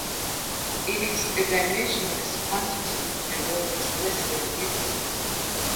It is a dimensionless quantity and always less than unity.